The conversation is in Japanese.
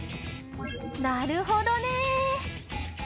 なるほどね